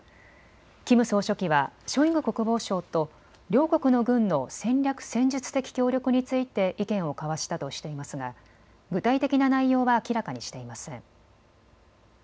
キム総書記はショイグ国防相と両国の軍の戦略・戦術的協力について意見を交わしたとしていますが具体的な内容は明らかにしていません。